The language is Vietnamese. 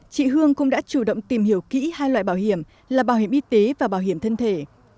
chị hương cũng đã chủ động tìm hiểu kỹ hai loại bảo hiểm là bảo hiểm y tế và bảo hiểm thân thể